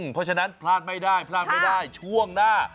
เพราะฉะนั้นพลาดไม่ได้ช่วงหน้า